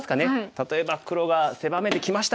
例えば黒が狭めてきました。